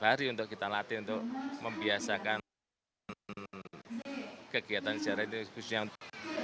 hari untuk kita latih untuk membiasakan kegiatan secara itu